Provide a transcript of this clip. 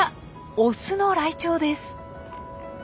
オスのライチョウです。